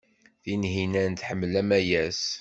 Tinhinan tḥemmel Amayas.